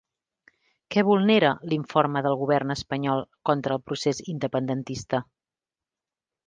Què vulnera l'informe del govern espanyol contra el procés independentista?